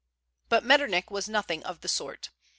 But Metternich was nothing of the sort.